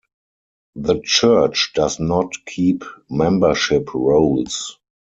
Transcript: The church does not keep membership rolls.